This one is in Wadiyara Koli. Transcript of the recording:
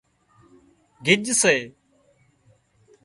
گج سي